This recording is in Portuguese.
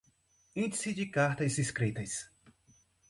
Índice de Cartas escritas